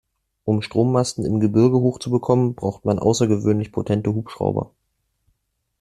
Um Strommasten im Gebirge hoch zu bekommen, braucht man außergewöhnlich potente Hubschrauber.